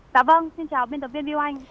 dạ vâng xin chào biên tập viên viu anh